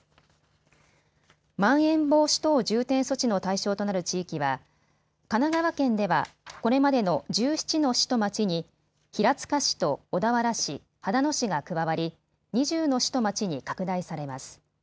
まん延防止等重点措置の対象となる地域は神奈川県ではこれまでの１７の市と町に平塚市と小田原市、秦野市が加わり、２０の市と町に拡大されます。